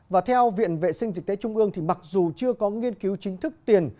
và theo viện vệ sinh dịch tế trung ương thì mặc dù chưa có nghiên cứu chính thức tiền